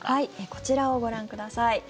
こちらをご覧ください。